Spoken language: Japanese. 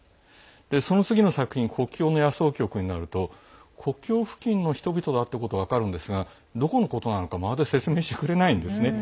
その次の作品「国境の夜想曲」になると国境付近の人々だってことは分かるんですがどこのことなのかまるで説明してくれないんですね。